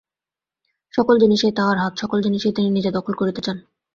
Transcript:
সকল জিনিসেই তাঁহার হাত, সকল জিনিসই তিনি নিজে দখল করিতে চান।